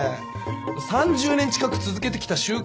３０年近く続けてきた習慣